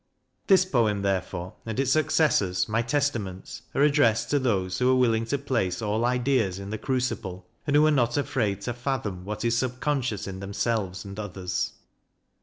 This poem, there fore, and its successors, my Testaments, are addressed to those who are willing to place all ideas in the crucible, and who are not afraid to fathom what is subconscious in themselves and others.